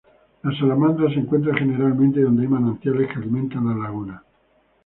La salamandra se encuentra generalmente donde hay manantiales que alimentan la laguna.